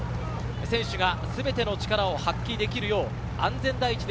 選手が全ての力を発揮できるよう安全第一で